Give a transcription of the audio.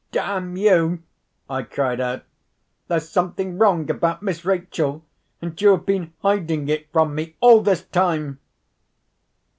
"Damn you!" I cried out, "there's something wrong about Miss Rachel—and you have been hiding it from me all this time!"